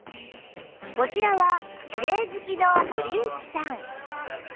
こちらはきれい好きの堀内さん